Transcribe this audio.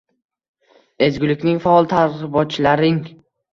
Ezgulikning faol targ‘ibotchilaring